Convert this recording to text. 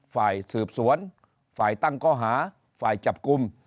ฝ่ายสืบสวนฝ่ายตั้งข้อหาฝ่ายจับกลุ่ม